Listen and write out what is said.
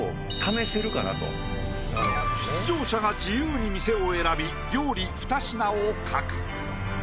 出場者が自由に店を選び料理２品を描く。